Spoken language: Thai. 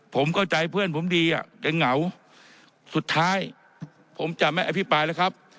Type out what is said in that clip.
ผมเข้าใจเพื่อนผมดีอ่ะแกเหงาสุดท้ายผมจะไม่อภิปรายแล้วครับ